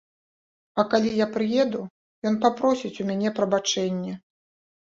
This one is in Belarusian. А калі я прыеду, ён папросіць у мяне прабачэнні!